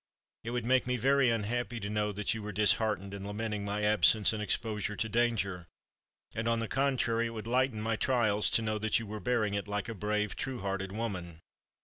It would make me very unhappy to know that you were disheartened and lamenting my absence and exposure to danger; and, on the contrary, it would lighten my trials to know that you were bearing it like a brave, true hearted woman.